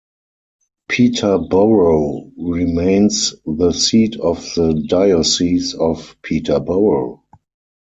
Peterborough remains the seat of the Diocese of Peterborough.